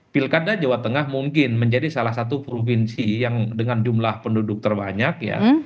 pilkada jawa tengah mungkin menjadi salah satu provinsi yang dengan jumlah penduduk terbanyak ya